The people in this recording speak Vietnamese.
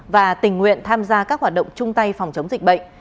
và tình nguyện tham gia các hoạt động chung tay phòng chống dịch bệnh